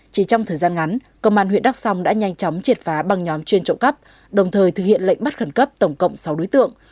chỉ trong thời gian ngắn công an huyện đắc sông đã nhanh chóng triệt phá bằng nhóm chuyên trộm cấp đồng thời thực hiện lệnh bắt khẩn cấp tổng cộng sáu đối tượng